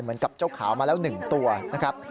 เหมือนกับเจ้าขาวมาแล้ว๑ตัวนะครับ